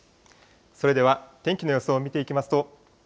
それでは天気の予想を見ていきま